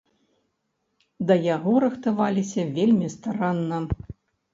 Да яго рыхтаваліся вельмі старанна.